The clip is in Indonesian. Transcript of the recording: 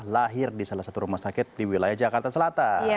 lahir di salah satu rumah sakit di wilayah jakarta selatan